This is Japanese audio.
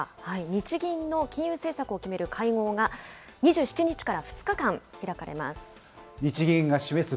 日銀の金融政策を決める会合が、２７日から２日間、開かれます。